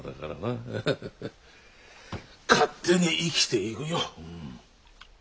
勝手に生きていくよ。